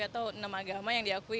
atau enam agama yang diakui